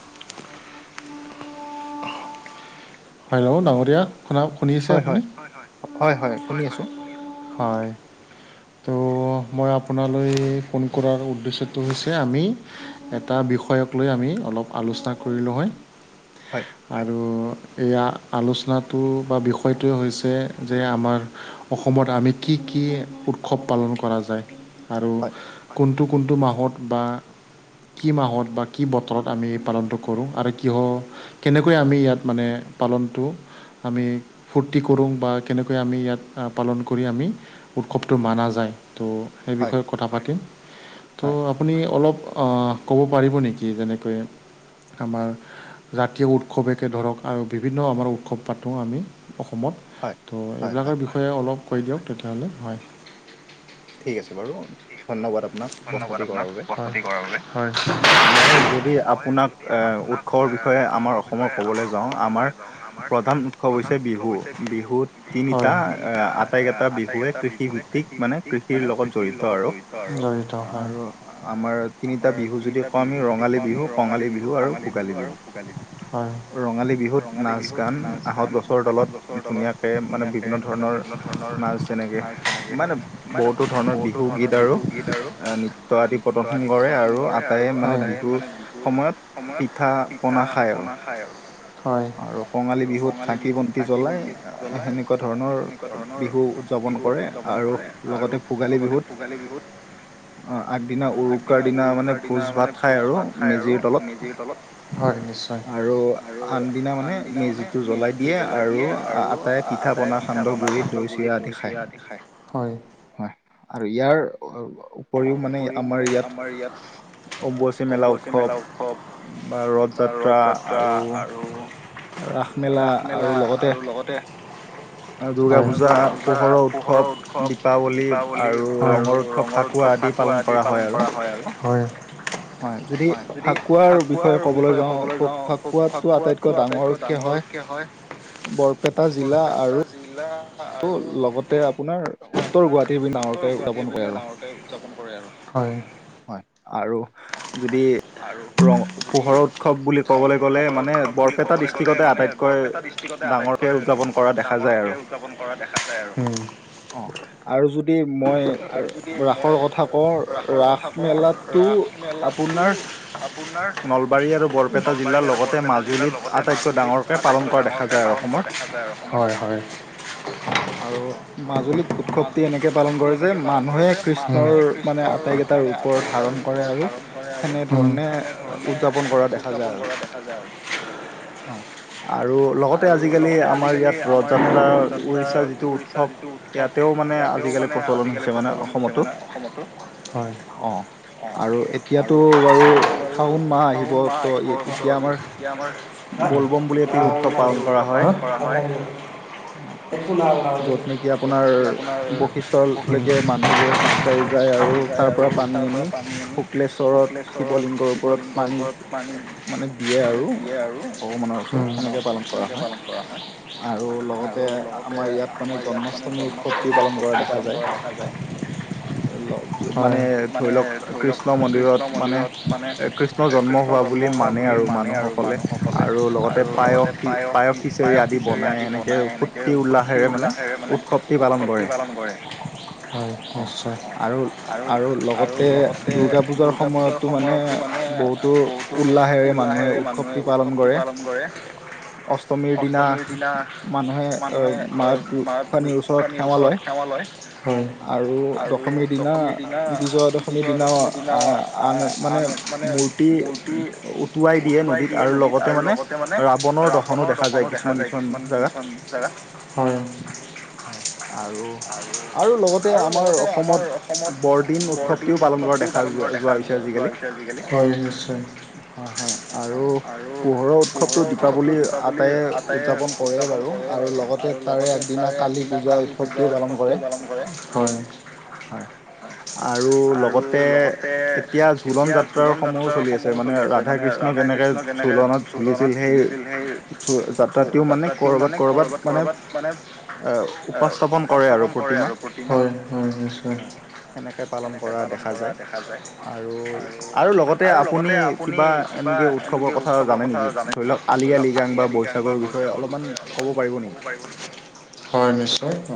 [inaudible] Hello ডাঙৰীয়া শুনা শুনি আছে আপুনি হয় ত' মই আপোনালৈ ফোন কৰাৰ উদ্দেশ্যটো হৈছে আমি এটা বিষয়ক লৈ আমি অলপ আলোচনা কৰিলোঁ হয় আৰু এইয়া আলোচনাটো বা বিষয়টোৱে হৈছে যে আমাৰ অসমত আমি কি কি উৎসৱ পালন কৰা যায় আৰু কোনটো কোনটো মাহত বা কি মাহত বা কি বতৰত আমি এই পালনটো কৰোঁ আৰু কিহ কেনেকৈ আমি ইয়াত মানে পালনটো আমি ফূৰ্তি কৰোঁ বা কেনেকৈ আমি ইয়াত পালন কৰি আমি উৎসৱটো মানা যায় ত' সেই বিষয়ে কথা পাতিম ত' আপুনি অলপ আহ ক'ব পাৰিব নেকি যেনেকৈ আমাৰ জাতীয় উৎসৱকে ধৰক আৰু বিভিন্ন আমাৰ উৎসৱ পাতোঁ আমি অসমত ত' এইবিলাকৰ বিষয়ে অলপ কৈ দিয়ক তেতিয়াহ'লে হয় ঠিক আছে বাৰু ধন্যবাদ আপোনাক প্ৰশ্নটি কৰাৰ বাবে হয় মই যদি আপোনাক উৎসৰ বিষয়ে আমাৰ অসমৰ ক'বলৈ যাওঁ আমাৰ প্ৰধান উৎসৱ হৈছে বিহু বিহুত তিনিটা আটাইকেইটা বিহুৱে কৃষি ভিত্তিক মানে কৃষি কৃষিৰ লগত জড়িত আৰু ত হয় আমাৰ তিনিটা বিহু যদি কওঁ আমি ৰঙালী বিহু কঙালী বিহু আৰু ভোগালী বিহু ৰঙালী বিহুত নাচ গান আহঁঁত গছৰ তলত ধুনীয়া কে মানে বিভিন্ন ধৰণৰ নাচ যেনেকে মানে বহুত বহুতো ধৰণৰ বিহু গীত আৰু নৃত্য আদি পদৰ্শন কৰে আৰু আটায়ে মানে বিহুৰ সময়ত পিঠা পিঠা পনা খায় আৰু আৰু কঙালী বিহুত চাকি বন্তি জ্বলাই সেনেকুৱা ধৰণৰ বিহু উদযাপন কৰে আৰু লগতে ভোগালী বিহুত অ আগদিনা উৰুকাৰ দিনা মানে ভোজ ভাত খাই আৰু মেজিৰ তলত মেজিৰ তলত আৰু আন দিনা মানে মেজিটো জ্বলাই দিয়ে আৰু আটাই পিঠা পনা সান্দহ গুড়ি দৈ চিৰা আদি খায় হয় হয় আৰু ইয়াৰ উপৰিও মানে আমাৰ ইয়াত অম্বুবাচী মেলা উৎসৱ বা ৰথ যাত্ৰা আৰু ৰাস মেলা আৰু লগতে দুৰ্গা পূজা পোহৰৰ উৎসৱ দীপাৱলী আৰু ৰঙৰ উৎসৱ ফাকুৱা ফাকুৱা আদি পালন কৰা হয় আৰু হয় হয় যদি ফাকুৱাৰ বিষয়ে ক'বলৈ যাওঁ ফাকুৱাটো আটাইতকৈ ডাঙৰকে হয় বৰপেটা জিলা আৰু জিলা ত লগতে আপোনাৰ উত্তৰ গুৱাহাটীৰ পিনে ডাঙৰকে উৎযাপন কৰে আৰু উযাপন কৰে আৰু হয় হয় আৰু যদি ৰং পোহৰৰ উৎসৱ বুলি ক'বলৈ গ'লে মানে বৰপেটা ডিষ্ট্ৰিকতে আটাইতকৈ ডিষ্টিকতে আটাইতকৈ ডাঙৰকৈ উদযাপন কৰা দেখা যায় আৰু অ আৰু যদি মই ৰাসৰ কথা কওঁ ৰাস ৰাস মেলাটো আপোনাৰ নলবাৰী আৰু বৰপেটা জিলাৰ লগত লগতে মাজুলীত আটাইতকৈ ডাঙৰকে পালন কৰা দেখা যায় আৰু হয় হয় হয় আৰু মাজুলীত উৎসৱটি এনেকে পালন কৰে যে মানুহে কৃষ্ণৰ মানে আটাইকেইটা‌ ৰূপ ধাৰণ কৰে আৰু সেনেধৰণে উদযাপন কৰা দেখা যায় আৰু অ আৰু লগতে আজিকালি আমাৰ ইয়াত ৰথ যাত্ৰা উৰিষ্যা যিটো উৎসৱ ইয়াতেও মানে হৈছে আজিকালি প্ৰচলন হৈছে মানে অসম এতিয়া মানে অসমতো হয় অহ আৰু এতিয়াতো বাৰু শাওণ মাহ আহিব ত এতিয়া আমাৰ বলবম বুলি এটি উৎসৱ পালন কৰা হয় অহ যত নেকি আপোনাৰ বৈশিষ্টলৈকে মানুহবোৰে খোজ কাঢ়ি যায় আৰু যায় আৰু তাৰ পৰা পানী আনি শুক্লেশ্বৰৰ শিৱলিংগৰ ওপৰত পানী মানে দিয়ে আৰু উম অসমতো তেনেকে পালন কৰা হয় আৰু লগত যে আমাৰ ইয়াত মানে জন্মাষ্টমীৰ উৎসৱটি পালন কৰা দেখা যায় [unintelligible] লজ মানে ধৰি লওক কৃষ্ণ মন্দিৰত মানে কৃষ্ণৰ জন্ম হোৱা বুলি মানে আৰু মানুহক সকলে আৰু লগতে পায়স, পায়স খিচিৰি আদি বনাই এনেকে অতি উল্লাহেৰে মানে উৎসৱটি পালন কৰে হয় নিশ্চয় আৰু আৰু আৰু লগতে দুৰ্গা পূজাৰ সময়তো মানে বহুতো উল্লাহেৰে মানুহে উৎসৱটি পালন কৰে অষ্টমীৰ দিনা মানুহে এ মা পানীৰ ওচৰত সেৱা লয় হয় আৰু দশমীৰ দিনা বিজয়া দশমী দিনাও আন মানে মূৰ্তি উটুৱাই দিয়ে নদীত আৰু লগতে মানে ৰাৱনৰ দৰ্শনো দেখা যায় কিছুমান কিছুমান জেগাত হয় হয় আৰু আৰু লগতে আমাৰ অসমত বৰদিন দিন উৎসৱটি পালন কৰা দেখা যোৱা যোৱা হৈছে আজিকালি। হয় নিশ্চয় হয় হয় আৰু পোহৰৰ উৎসৱটো দীপাৱলীৰ আটাইয়ে উৎযাপন কৰে বাৰু আৰু লগতে তাৰে আগদিনা কালি পূজা উৎসৱটিও পালন কৰে হয় আৰু লগতে এতিয়া দোলন যাত্ৰাৰ সময়ো চলি আছে মানে ৰাধা কৃষ্ণ যেনেকে জোলনত জোলিছিল সেই যাত্ৰাটিও মানে ক'ৰবাত ক'ৰবাত মানে আও উপস্থাপন কৰে আৰু প্ৰতি হয় হয় নিশ্চয় সেনেকে পালন কৰা দেখা যায় আৰু আৰু লগতে আপুনি কিবা এনেকে উৎসৱৰ কথা জানে নেকি ধৰি লওঁক আলি আই লিগাং বা বৈশাগুৰ বিষয়ে অলপমান ক'ব পাৰিব নেকি? হয় নিশ্চয় অহ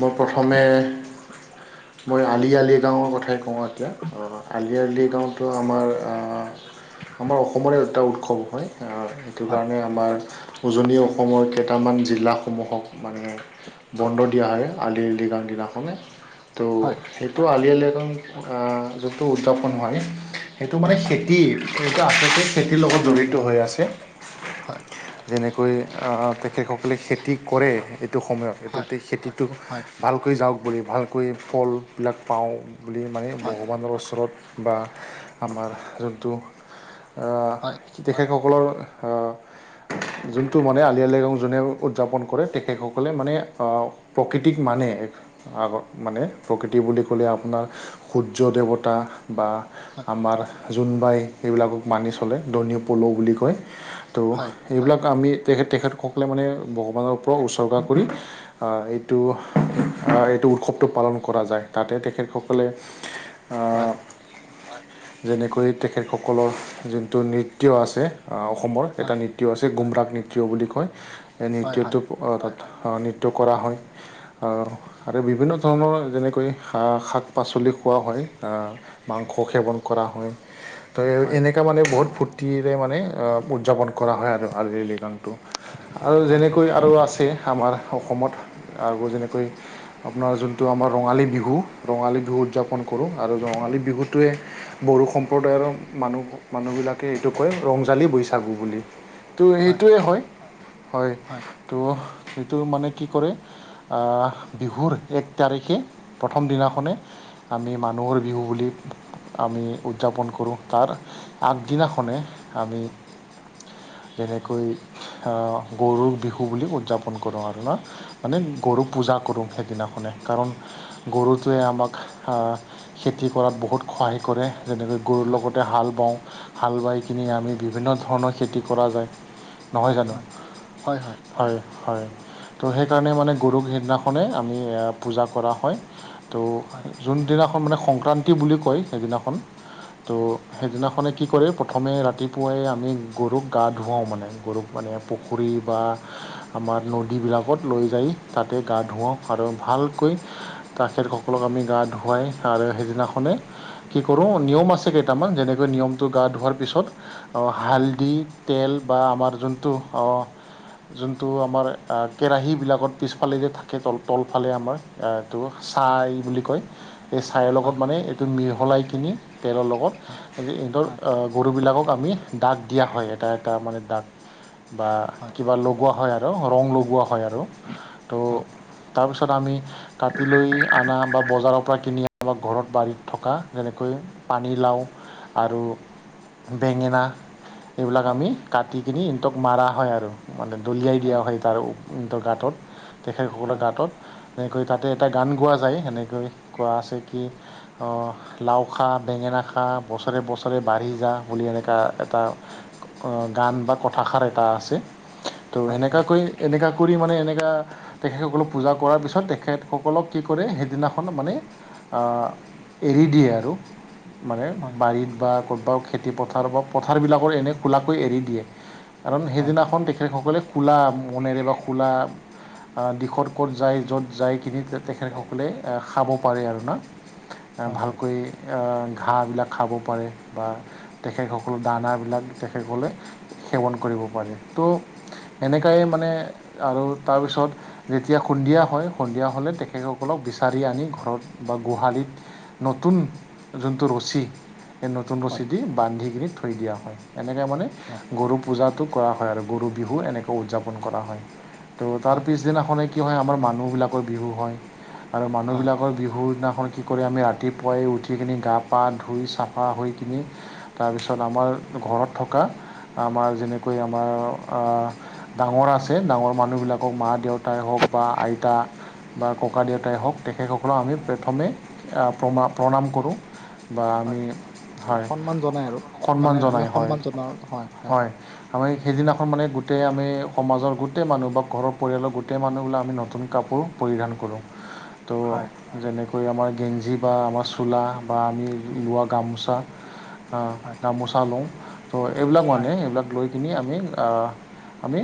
মই প্ৰথমে মই আলি আলিগাঁৱৰ কথাই কওঁ এতিয়া আলি আলি গাঁওটো আমাৰ আহ আমাৰ অসমৰে এটা উৎসৱ হয় আহ সেইটো কাৰণে আমাৰ উজনি অসমৰ কেইটামান জিলাসমূহক মানে বন্ধ দিয়া হয় আলি আলি আই লৃগাং দিনাখনে তো সেই টো আলি আই এজন [unintelligible] অহ যিটো উদ্যাপন হয় সেইটো মানে খেতিৰ এইটো আচলতে খেতিৰ লগত জড়িত হৈ আছে যেনেকৈ তেখেতসকলে খেতি কৰে এইটো সময়ত এইটো খেতিটো ভালকৈ যাওক বুলি ভালকৈ ফলবিলাক পাওঁ। বুলি মানে ভগৱানৰ ওচৰত বা আমাৰ যোনটো অ তেখেতসকলৰ অ যোনটো মানে আলি আই লৃগাং যোনে উদযাপন কৰে তেখেতসকলে মানে অ প্ৰকৃতিক মানে এক আগত মানে প্ৰকৃতি বুলি ক'লে আপোনাৰ সূৰ্য দেৱতা বা আমাৰ জোনবাই এইবিলাকক মানি চলে ধনীয় পল' বুলি কয় টো এইবিলাক আমি তেখেত তেখেতসকলে মানে ভগৱানৰ ওপৰত উস্বৰগা কৰি হয় এইটো অহ এইটো উৎসৱটো পালন কৰা যায় তাতে তেখেতসকলে অ হয় যেনেকৈ তেখেতসকলৰ যোনটো নৃত্য আছে অসমৰ এটা নৃত্য আছে গুমৰাগ নৃত্য বুলি কয় এই নৃত্যটো তাত নৃ ত্য কৰা হয় আহ আৰু বিভিন্ন ধৰণৰ যেনেকৈ শা শাক পাচলি খোৱা হয় আ মাংস সেৱন কৰা হয়। তো এনেকোৱা মানে বহুত ফূৰ্তিৰে মানে উদযাপন কৰা হয় আৰু আলি আই লৃগাঙত আৰু যেনেকৈ আৰু আছে আমাৰ অসমত আৰু যেনেকৈ আপোনাৰ যোনটো আমাৰ ৰঙালী বিহু, ৰঙালী বিহু উদযাপন কৰোঁ আৰু ৰঙালী বিহুটোৱে বড়ো সম্প্ৰদায়ৰ মানুহ মানুহবিলাকে এইটো কয় ৰংজালী বৈচাগো বুলি। ত' সেইটোৱে হয় হয় হয়। তো তো মানে কি কৰে আ বিহুৰ এক তাৰিখে প্ৰথম দিনাখনে আমি মানুহৰ বিহু বুলি আমি উদযাপন কৰো তাৰ আগদিনাখনে আমি যেনেকৈ অ গৰু বিহু বুলি উদযাপন কৰো আৰু না মানে গৰুক পূজা কৰো সেইদিনাখনে কাৰণ গৰুটোৱে আমাক আ খেতি কৰাত বহুত সহায় কৰে। যেনেকৈ গৰুৰ লগতে হাল বাওঁ হাল বাই কিনি আমি বিভিন্ন ধৰণৰ খেতি কৰা যায়, নহয় জানো হয়। হয়, ত' সেইকাৰণে মানে গৰুক সেইদিনাখনেই আমি পূজা কৰা হয়। ত' যোনদিনাখন মানে সংক্ৰান্তি বুলি কয় সেইদিনাখন ত' সেইদিনাখনে কি কৰে প্ৰথমে ৰাতিপুৱাই আমি গৰুক গা ধুৱাও মানে গৰুক মানে পুখুৰী বা আমাৰ নদীবিলাকত লৈ যায় তাতে গা ধুৱাও আৰু ভালকৈ তেখেতসকলক আমি গা ধুৱাই আৰু সেইদিনাখনে কি কৰো নিয়ম আছে কেইটামান যেনেকৈ নিয়মটো গা ধোৱাৰ পিছত অ হালধি, তেল বা আমাৰ যোনটো অ যোন তো আমাৰ আ কেৰাহীবিলাকত পিছফালে যে থাকে তল তলফালে আমাৰ টো ছাই বুলি কয়। এই ছাইৰ লগত মানে এইটো মিহলাই কিনি তেলৰ লগত ইহঁতৰ এ গৰুবিলাকক আনি দাগ দিয়া হয় এটা এটা মানে দাগ বা কিবা লগোৱা হয় আৰু ৰং লগোৱা হয় আৰু ত' তাৰপিছত আমি কাটি লৈ আনা বা বজাৰৰ পৰা কিনি অলপ ঘৰত বাৰীত থকা যেনেকৈ পানী লাওঁ আৰু বেঙেনা এইবিলাক আমি কাটিকিনি ইহঁতক মাৰা হয় আৰু মানে দলিয়াই দিয়া হয় তাৰ ইহতৰ গাটোত তেখেতসকলৰ গাটোত তেনেকৈ তাতে এটা গান গোৱা যায় সেনেকৈ কোৱা আছে কি অ লাও খা বেঙেনা খা বছৰে বছৰে বাঢ়ি যা বুলি এনেকোৱা এটা অ গান বা কথাষাৰ এটা আছে। তো সেনেকুৱাকৈ এনেকা কৰি মানে এনেকুৱা তেখেতসকলক পূজা কৰাৰ পিছত তেখেতসকলক কি কৰে সেইদিনাখন মানে আ'এৰি দিয়ে আৰু মানে বাৰীত বা ক'ৰবাত খেতিপথাৰ বা পথাৰবিলাকৰ এনেই খোলাকৈ এৰি দিয়ে। কাৰণ সেইদিনাখন তেখেতসকলে খোলা মনেৰে বা খোলা আ দিশত ক'ত যায় য'ত যায় কিনি তেখেতসকলে খাব পাৰে আৰু না আ' ভালকৈ ঘাঁহবিলাক খাব পাৰে বা তেখেতসকলৰ দানাবিলাক তেখেতসকলে সেৱন কৰিব পাৰে ত' এনেকাই মানে আৰু তাৰপিছত যেতিয়া সন্ধিয়া হয় সন্ধিয়া হ'লে তেখেতসকলক বিচাৰি আনি ঘৰত বা গোহালিত নতুন যোনটো ৰছী সেই নতুন ৰছি দি বান্ধি কিনি থৈ দিয়া হয় এনেকৈ মানে গৰু পূজাটো কৰা হয় আৰু গৰু বিহু এনেকৈ উদযাপন কৰা হয় ত' তাৰ পিছদিনাখনেই কি কি হয় আমাৰ মানুহবিলাকৰ বিহু হয় আৰু মানুহবিলাকৰ বিহু দিনাখন কি কৰি আমি ৰাতিপুৱাই উঠি কিনি গা পা ধুই চাফা হৈ কিনি তাৰপিছত আমাৰ ঘৰত থকা আমাৰ যেনেকৈ আমাৰ ডাঙৰ আছে ডাঙৰ মানুহবিলাকক মা দেউতাই হওক বা আইতা বা ককাদেউতাই হওক তেখেতসকলক আমি প্ৰথমে প্ৰা প্ৰণাম কৰোঁ বা আমি হয় সন্মান জনাই হয় হয় আমাৰ সেইদিনা মানে গোটেই আমি সমাজৰ গোটেই মানুহ বা ঘৰৰ পৰিয়ালৰ গোটেই মানুহ বিলাকে আমি নতুন কাপোৰ পৰিধান কৰোঁ তো যেনেকৈ আমাৰ গেঞ্জি বা আমাৰ চোলা বা আমি লোৱা গামোচা অ গামোচা লওঁ ত' এইবিলাক মানে এইবিলাক লৈ কিনে আমি অহ আমি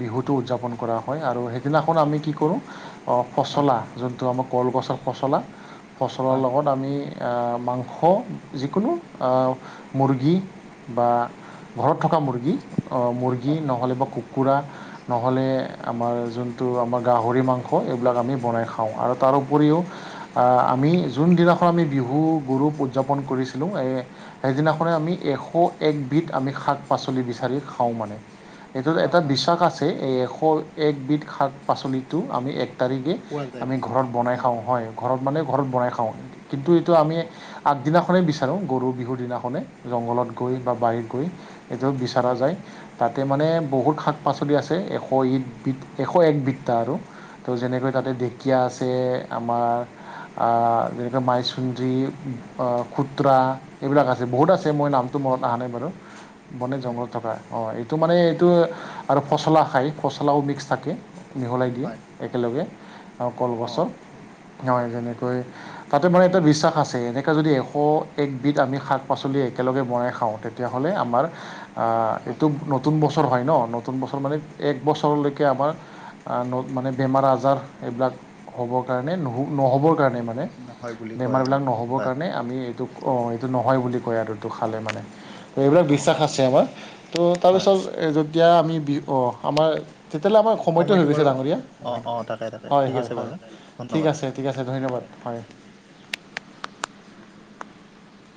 বিহুটো উদযাপন কৰা হয় আৰু সেইদিনাখন আমি কি কৰোঁ পচলা যোনটো আমাৰ কলগছৰ পচলা পচলাৰ লগত আমি মাংস যিকোনো মুৰ্গী বা ঘৰত থকা মুৰ্গী মুৰ্গী নহ'লে বা কুকুৰা নহ'লে আমাৰ যোনটো আমাৰ গাহৰি মাংস এইবিলাক আমি বনাই খাওঁ আৰু তাৰ উপৰিও আমি যোনদিনাখন আমি বিহু গৰু উদযাপন কৰিছিলোঁ এই সেইদিনাখনে আমি এশ একবিধ আমি শাক পাচলি বিচাৰি খাওঁ মানে এইটোত এটা বিশ্বাস আছে এই এশ একবিধ শাক পাচলিটো আমি এক তাৰিখে আমি ঘৰত বনাই খাওঁ হয় ঘৰত মানে ঘৰত বনাই খাওঁকৈ কিন্তু এইটো আমি দিনাখনেই বিচাৰোঁ গৰু বিহুৰ দিনাখনেই জংঘলত গৈ বা বাৰীত গৈ এইটো বিচৰা যায় তাতে মানে বহুত শাক পাচলি আছে এশ একবিধ এশ একবিধ আৰু তো যেনেকৈ তাতে ঢেকীয়া আছে আমাৰ যেনেকৈ মাইচুন্দী খুতৰা এইবিলাক আছে বহুত আছে মই নামটো মনত অহা নাই বাৰু মানে জংঘলত থকা অঁ এই টো মানে এইটো আৰু পচলা খায় পচলাও মিক্স থাকে মিহলাই দিয়ে একেলগে অহ কলগছৰ হয় যেনেকৈ তাতে মানে এটা বিশ্বাস আছে এনেকৈ যদি এশ একবিধ আমি শাক পাচলি একেলগে বনাই খাওঁ তেতিয়াহ'লে আমাৰ এইটো নতুন বছৰ হয় ন নতুন বছৰ মানে এক বছৰলৈকে আমাৰ মানে বেমাৰ আজাৰ এইবিলাক হ'বৰ কাৰণে নহ'বৰ কাৰণে মানে বেমাৰবিলাক নহ'বৰ কাৰণে আমি এইটো অঁ এইটো নহয় বুলি কয় আৰু এইটো খালে মানে ত' এইবিলাক বিশ্বাস আছে আমাৰ ত' তাৰপিছত যেতিয়া আমি বি অ আমাৰ তেতিয়াহ'লে আমাৰ। সময়টো হৈ গৈছে ডাঙৰীয়া হয় হয় হয় ঠিক আছে ঠিক আছে ধন্যবাদ হয়।